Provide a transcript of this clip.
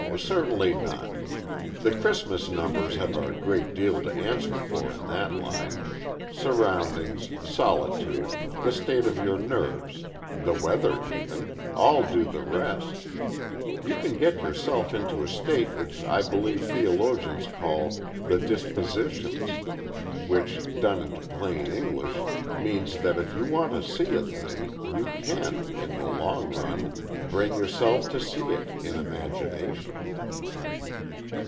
Certainly not. The Christmas numbers have a great deal to answer for in that line. Surroundings, solitude, the state of your nerves the weather, even all do the rest. You can get yourself into a state which I believe theologians call `the dispositions' which done into plain English means that if you want to see a thing, you can, in the long run, bring yourself to see it in imagination."